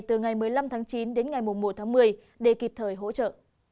từ ngày một mươi năm tháng chín đến ngày một tháng một mươi để kịp thời hỗ trợ